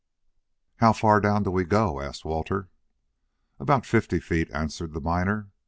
"How far down do we go?" asked Walter. "About fifty feet," answered the miner.